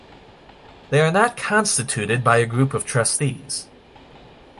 They are not constituted by a group of trustees.